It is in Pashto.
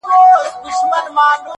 • هر څه ته د غم سترګو ګوري او فکر کوي,